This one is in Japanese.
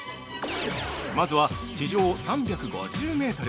まずは、地上３５０メートル